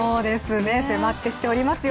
迫ってきておりますよ